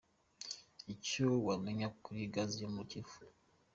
Icyo wamenya kuri Gaz yo mu kivu.